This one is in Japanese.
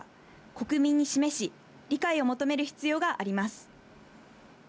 国民に示し、理解を求める必要があります。